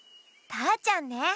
ターちゃんね。